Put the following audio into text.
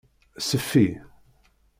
Seffi.